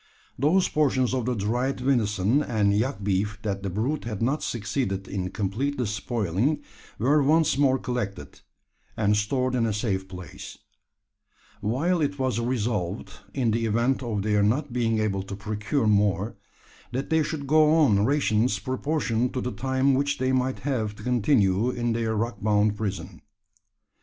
Those portions of the dried venison and yak beef that the brute had not succeeded in completely spoiling, were once more collected, and stored in a safe place; while it was resolved, in the event of their not being able to procure more, that they should go on rations proportioned to the time which they might have to continue in their rock bound prison.